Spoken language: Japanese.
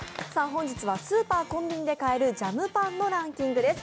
今日はスーパーコンビニで買えるジャムパンのランキングです。